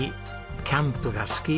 キャンプが好き。